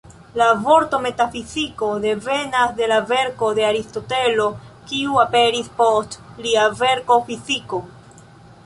La vorto "metafiziko" devenas de verko de Aristotelo, kiu aperis "post" lia verko "fiziko".